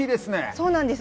そうなんです。